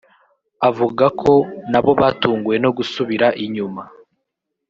avuga ko nabo batunguwe no gusubira inyuma